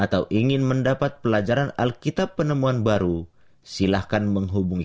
sampai jumpa di video selanjutnya